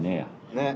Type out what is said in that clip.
ねっ。